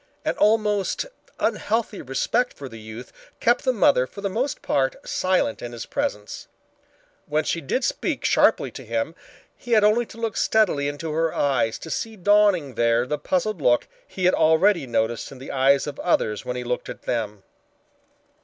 An almost unhealthy respect for the youth kept the mother for the most part silent in his presence. When she did speak sharply to him he had only to look steadily into her eyes to see dawning there the puzzled look he had already noticed in the eyes of others when he looked at them.